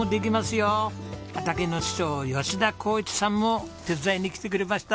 畑の師匠吉田幸一さんも手伝いに来てくれました。